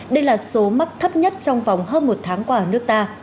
đây là số mắc thấp nhất trong vòng hơn một tháng qua ở nước ta